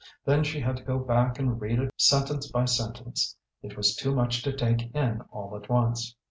Then she had to go back and read it sentence by sentence. It was too much to take in all at once.